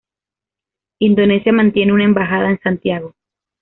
Indonesia mantiene una embajada en Santiago.